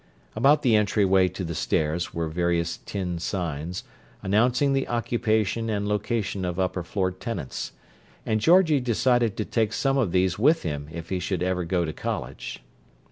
About the entryway to the stairs were various tin signs, announcing the occupation and location of upper floor tenants, and Georgie decided to take some of these with him if he should ever go to college.